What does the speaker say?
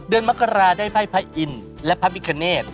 เดือนมักกะหราได้ไพ่พระอินทร์และพระมิคเนตร์